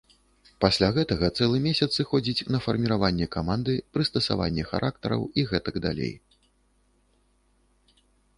Пасля гэтага цэлы месяц сыходзіць на фарміраванне каманды, прыстасаванне характараў і гэтак далей.